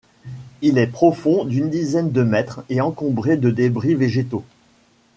Il est profond d'une dizaine de mètres et encombré de débris végétaux.